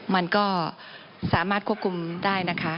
มันก็สามารถควบคุมได้นะคะ